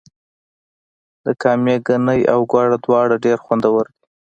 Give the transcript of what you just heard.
د کامې ګني او ګوړه دواړه ډیر خوندور دي.